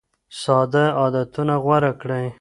ساده عادتونه غوره کړه.